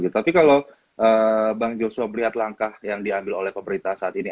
tapi kalau bang joshua melihat langkah yang diambil oleh pemerintah saat ini